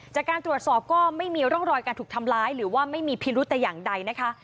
จากการตรวจสอบก็ไม่มีร่องรอยการถูกทำร้ายหรือว่าไม่มีพิรุธแต่อย่างใดนะคะ